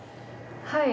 はい。